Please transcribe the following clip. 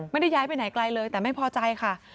ไม่ได้ย้ายไปไหนไกลเลยแต่ไม่พอใจค่ะ